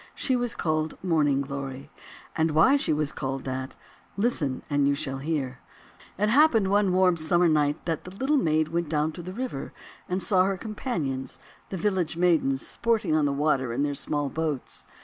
She was called Morning Glory, and why she was called that, listen, and you shall hear. It happened one warm Summer night that the Little Maid went down to the river and saw her companions, the village maidens, sporting on the 176 THE WONDER GARDEN water in their small boats.